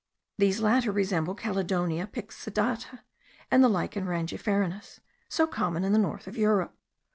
These latter resemble the Cladonia pyxidata and the Lichen rangiferinus, so common in the north of Europe.